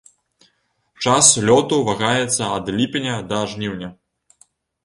Час лёту вагаецца ад ліпеня да жніўня.